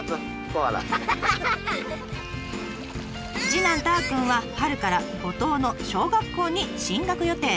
次男たーくんは春から五島の小学校に進学予定。